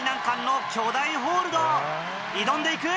挑んでいく！